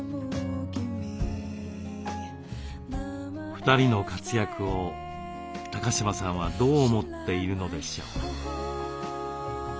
２人の活躍を高島さんはどう思っているのでしょう？